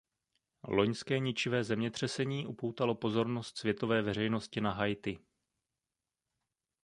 Loňské ničivé zemětřesení upoutalo pozornost světové veřejnosti na Haiti.